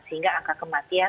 sehingga akan kematian